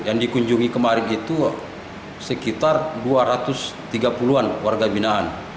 yang dikunjungi kemarin itu sekitar dua ratus tiga puluh an warga binaan